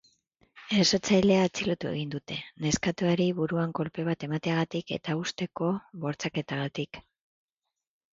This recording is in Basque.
Erasotzailea atxilotu egin dute, neskatoari buruan kolpe bat emateagatik eta ustezko bortxaketagatik.